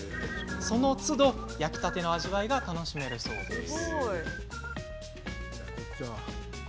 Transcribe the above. そのつど焼きたての味わいが楽しめるそうです。